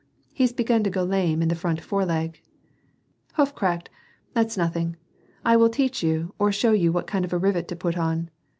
'^ He's begun to go lame of the left foreleg." *" Hoof cracked ! That's nothing. I will teach you or show you what kind of a rivet to put on."